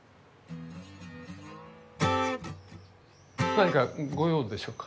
何かご用でしょうか？